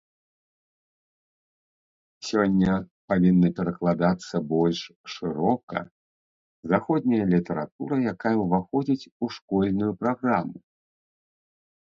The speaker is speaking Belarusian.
Сёння павінна перакладацца больш шырока заходняя літаратура, якая ўваходзіць у школьную праграму.